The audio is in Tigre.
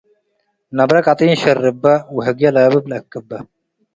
ነብረ ቀጢን ሸርበ፡ ወህግየ ላብብ ለአክበ።